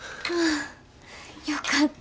よかった。